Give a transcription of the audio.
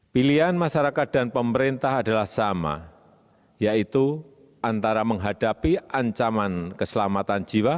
pilihan masyarakat dan pemerintah adalah sama yaitu antara menghadapi ancaman keselamatan jiwa